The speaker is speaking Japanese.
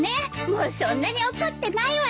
もうそんなに怒ってないわよ。